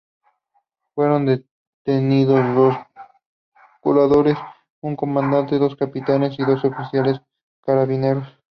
Fueron detenidos dos coroneles, un comandante, dos capitanes y dos oficiales de Carabineros.